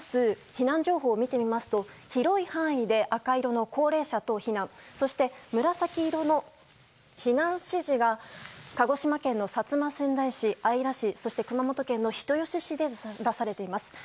避難情報を見てみますと広い範囲で赤色の高齢者等避難そして紫色の避難指示が鹿児島県の薩摩川内市姶良市そして、熊本県の人吉市で出されています。